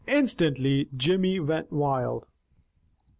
Instantly Jimmy went wild.